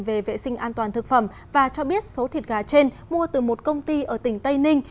về vệ sinh an toàn thực phẩm và cho biết số thịt gà trên mua từ một công ty ở tỉnh tây ninh